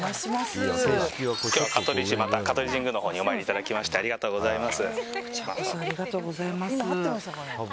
今日は香取神宮のほうにお参りいただきましてありがとうございます。